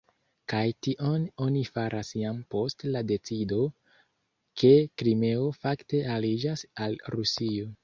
Kaj tion oni faras jam post la decido, ke Krimeo fakte aliĝas al Rusio.